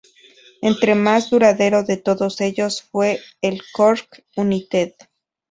El más duradero de todos ellos fue el Cork United.